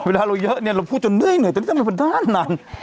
เวลาเราเยอะเนี่ยเราพูดจนเหนื่อยแต่นี่ทำไมเป็นท่านนั้น